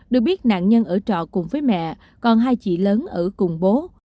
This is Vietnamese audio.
được biết nạn nhân ở trọ cùng với mẹ còn hai chị lớn ở cùng bố